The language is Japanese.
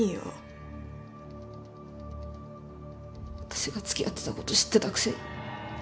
私が付き合ってたこと知ってたくせに。